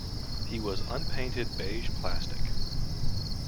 He was unpainted beige plastic.